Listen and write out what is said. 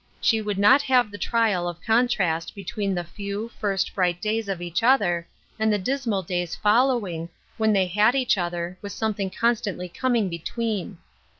She would not have the trial of contrast between the few, first bright days of each other, and the dismal days follow ing, when they had each other, with something constantly coming between.